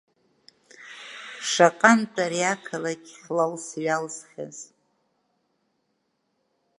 Шаҟантә ари ақалақь ҳлалс-ҩалсхьаз!